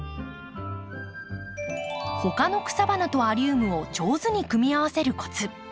ほかの草花とアリウムを上手に組み合わせるコツ。